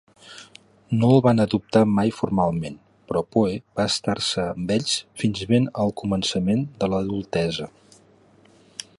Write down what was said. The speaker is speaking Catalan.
No el van adoptar mai formalment, però Poe va estar-se amb ells fins ben al començament de l'adultesa.